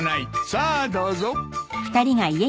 さあどうぞ。